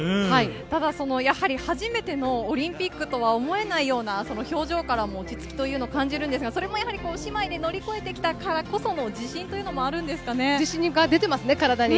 ただ、やはり初めてのオリンピックとは思えないような、その表情からも落ち着きというのを感じるんですが、それもやはり姉妹で乗り越えてきたからこその自信が出てますね、体に。